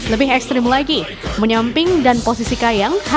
lebih ekstrim lagi menyamping dan posisikan balon dengan sebuah balon